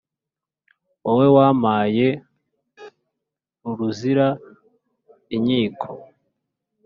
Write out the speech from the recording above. wowe wampaye uruzira inkiko !